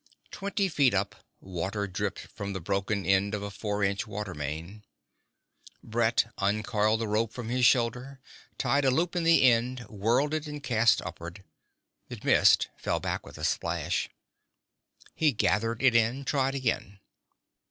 Twenty feet up, water dripped from the broken end of a four inch water main. Brett uncoiled the rope from his shoulder, tied a loop in the end, whirled it and cast upward. It missed, fell back with a splash. He gathered it in, tried again.